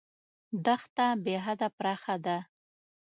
دښته بېحده پراخه ده.